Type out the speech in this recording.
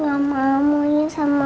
mama mama jangan tinggalin aku